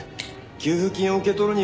給付金を受け取るには。